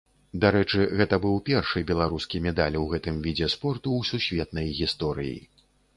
Дарэчы, гэта быў першы беларускі медаль у гэтым відзе спорту ў сусветнай гісторыі.